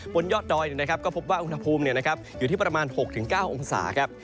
บนยอดดอยก็พบว่าอุณหภูมิอยู่ที่ประมาณ๖๙องศาครับ